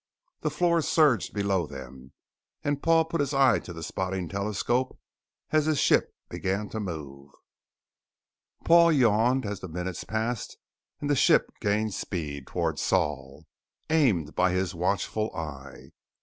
The floor surged below them and Paul put his eye to the spotting telescope as his ship began to move. Paul yawned as the minutes passed and the ship gained speed towards Sol, aimed by his watchful eye.